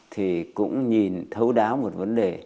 thì cũng nhìn thấu đáo một vấn đề